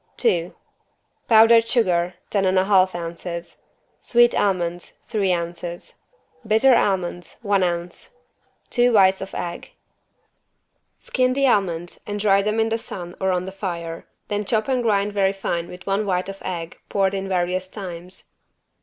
II Powdered sugar, ten and a half ounces. Sweet almonds, three ounces. Bitter almonds, one ounce. Two whites of egg. Skin the almonds and dry them in the sun or on the fire, then chop and grind very fine with one white of egg poured in various times.